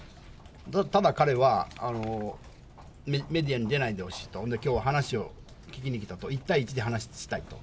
ただ彼は、メディアに出ないでほしいと、きょうは話を聞きに来たと、一対一で話したいと。